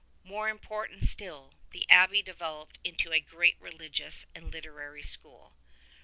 More important still, the abbey developed into a great religious and literary school.